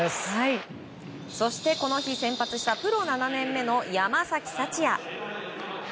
そしてこの日先発したプロ７年目の山崎福也。